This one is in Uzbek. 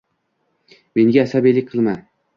Menga asabiylik qilma.